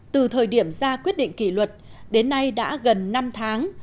từ thời điểm ra quyết định kỷ luật đến nay đã gần năm tháng